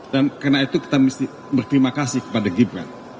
dan karena itu kita mesti berterima kasih kepada gibran